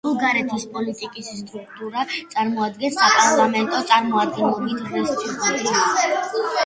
ბულგარეთის პოლიტიკის სტრუქტურა წარმოადგენს საპარლამენტო წარმომადგენლობით რესპუბლიკას.